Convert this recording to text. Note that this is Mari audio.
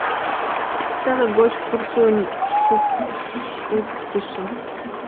Теле гоч пурсым шупшыктышым.